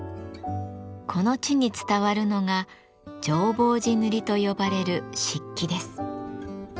この地に伝わるのが浄法寺塗と呼ばれる漆器です。